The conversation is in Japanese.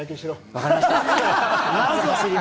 分かりました。